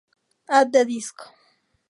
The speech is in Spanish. At the Disco.